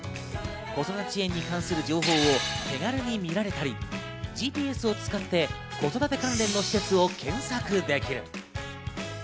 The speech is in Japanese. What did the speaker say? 子育て支援に関する情報を手軽に見られたり、ＧＰＳを使って子育て関連の施設を検索できる。